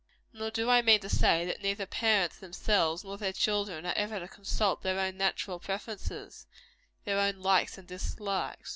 Nor do I mean to say, that neither parents themselves nor their children, are ever to consult their own natural preferences their own likes and dislikes.